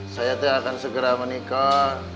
saya akan segera menikah